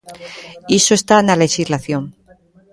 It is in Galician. Iso está na lexislación.